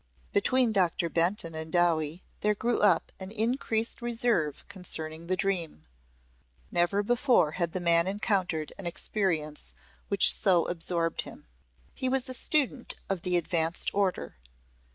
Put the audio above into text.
Between Doctor Benton and Dowie there grew up an increased reserve concerning the dream. Never before had the man encountered an experience which so absorbed him. He was a student of the advanced order.